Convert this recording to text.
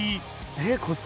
えっ？